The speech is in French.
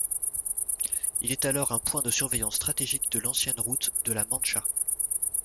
Il est alors un point de surveillance stratégique de l'ancienne route de La Mancha.